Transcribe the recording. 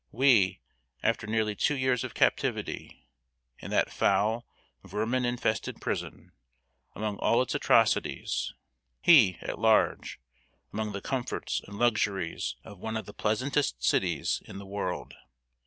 We, after nearly two years of captivity, in that foul, vermin infested prison, among all its atrocities he, at large, among the comforts and luxuries of one of the pleasantest cities in the world!